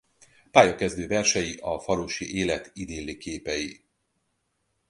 Pályakezdő versei a falusi élet idilli képei.